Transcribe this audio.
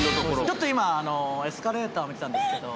ちょっと今エスカレーターを見てたんですけど。